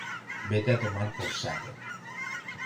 Vete a tomar por saco